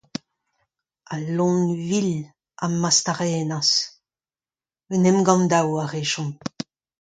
Al loen vil a'm mastarennas : un emgann-daou a rejomp !